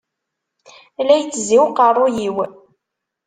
La ittezzi uqerruy-iw.